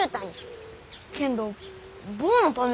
けんど坊のためですよ。